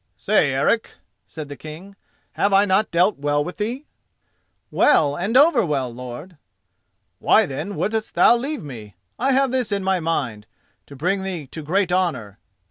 "Say, Eric," said the King, "have I not dealt well with thee?" "Well, and overwell, lord." "Why, then, wouldst thou leave me? I have this in my mind—to bring thee to great honour.